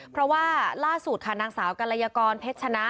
เพราะว่าล่าสุดค่ะนางสาวกรยากรเพชรชนะ